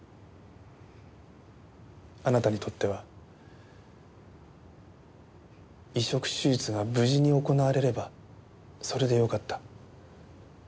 あなたにとっては移植手術が無事に行われればそれでよかった。